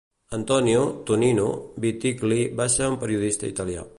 Antonio "Tonino" Vittigli va ser un periodista italià.